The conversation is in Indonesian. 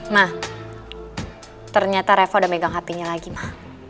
ma ternyata reva udah megang hpnya lagi ma